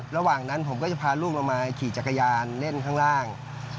ระหว่างนั้นผมก็จะพาลูกลงมาขี่จักรยานเล่นข้างล่าง